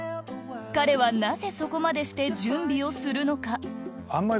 彼はなぜそこまでして準備をするのかあんまり。